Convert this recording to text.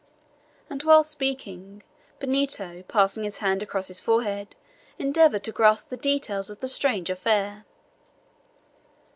And while speaking, Benito, passing his hand across his forehead, endeavored to grasp the details of the strange affair.